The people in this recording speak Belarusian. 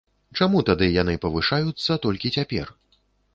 Чаму тады яны павышаюцца толькі цяпер?